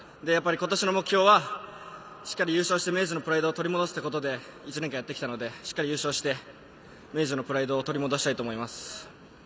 やっぱり、今年の目標はしっかり優勝して明治のプライドを取り戻すということで１年間やってきたのでしっかり優勝して明治のプライドを取り戻したいと思います。